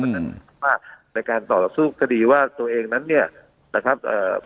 อืมว่าในการต่อสู้กดีว่าตัวเองนั้นเนี้ยนะครับเอ่อ